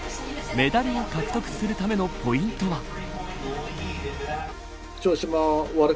メダルを獲得するためのポイントは。